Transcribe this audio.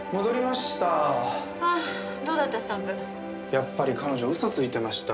やっぱり彼女嘘ついてました。